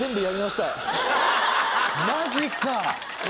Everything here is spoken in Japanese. マジか。